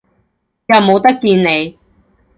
又冇得見你